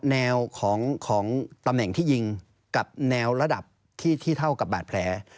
แนวของตำแหน่งที่ยิงกับแนวระดับที่เท่ากับบาดแผล